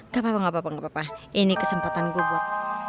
gapapa ini kesempatan gue buat